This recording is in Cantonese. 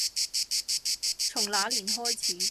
從那年開始